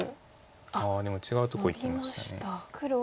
ああでも違うとこいきました。